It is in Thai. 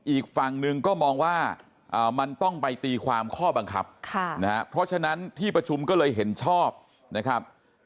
อีกฝั่งหนึ่งก็มองว่ามันต้องไปตีความข้อบังคับนะฮะเพราะฉะนั้นที่ประชุมก็เลยเห็นชอบนะครับ